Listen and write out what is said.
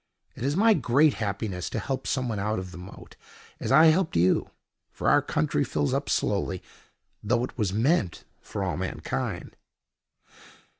It is my great happiness to help someone out of the moat, as I helped you. For our country fills up slowly, though it was meant for all mankind."